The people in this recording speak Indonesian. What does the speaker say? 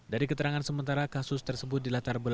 dari keterangan sementara kasus tersebut dilatarbukal